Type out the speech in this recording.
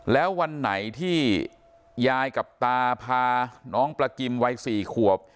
แล้ววันไหนที่ยายกับตาพาน้องประกิมวัย๔ขวบ